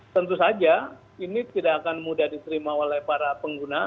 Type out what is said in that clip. tentu saja ini tidak akan mudah diterima oleh para pengguna